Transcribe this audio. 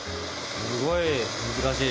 すごい難しいよ。